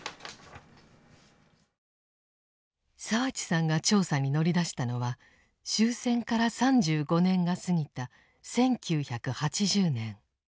澤地さんが調査に乗り出したのは終戦から３５年が過ぎた１９８０年。